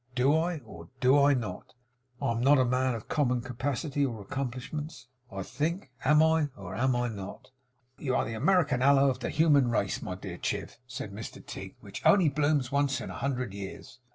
Do I, or do I not? I'm not a man of common capacity or accomplishments, I think! Am I, or am I not?' 'You are the American aloe of the human race, my dear Chiv,' said Mr Tigg, 'which only blooms once in a hundred years!